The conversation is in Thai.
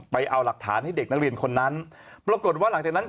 เอาหลักฐานให้เด็กนักเรียนคนนั้นปรากฏว่าหลังจากนั้น